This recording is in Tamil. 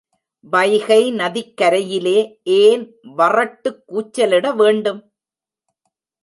வைகை நதிக்கரையிலே ஏன் வறட்டுக் கூச்சலிட வேண்டும்?